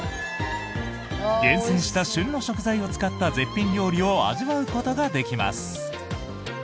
厳選した旬の食材を使った絶品料理を味わうことができます。